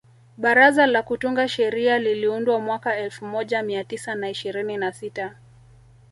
Baraza la kutunga sheria liliundwa mwaka elfu moja mia tisa na ishirini na sita